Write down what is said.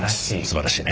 すばらしい。